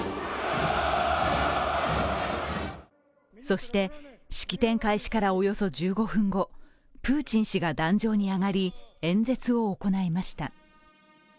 そして式典開始からおよそ１５分後、プーチン氏が壇上に上がり演説を行いました。